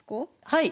はい。